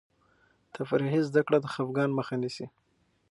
تفریحي زده کړه د خفګان مخه نیسي.